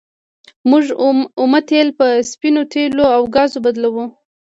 موږ اومه تیل په سپینو تیلو او ګازو بدلوو.